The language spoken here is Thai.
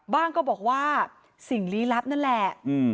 ก็บอกว่าสิ่งลี้ลับนั่นแหละ